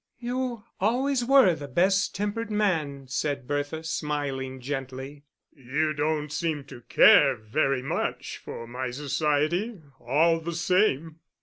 "You always were the best tempered man," said Bertha, smiling gently. "You don't seem to care very much for my society, all the same."